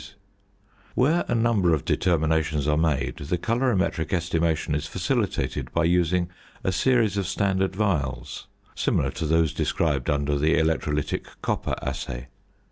Where a number of determinations are made the colorimetric estimation is facilitated by using a series of standard phials similar to those described under the Electrolytic Copper Assay.